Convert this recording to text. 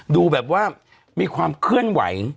ดูแบบว่ามีความเคลื่อนไหว